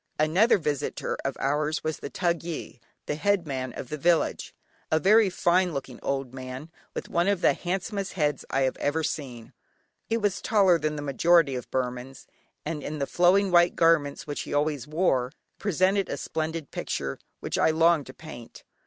Another visitor of ours was the thugyi, (the head man of the village), a very fine looking old man with one of the handsomest heads I have ever seen. He was taller than the majority of Burmans, and in the flowing white garments which he always wore, presented a splendid picture which I longed to paint.